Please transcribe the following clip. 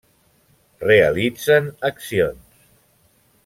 Realitzen accions.